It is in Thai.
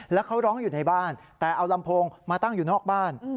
แล้วเขาร้องอยู่ในบ้านแต่เอาลำโพงมาตั้งอยู่นอกบ้าน